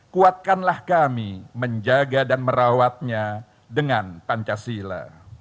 kuatkanlah kami menjaga dan merawatnya dengan pancasila